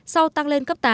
sau tăng lên cấp tám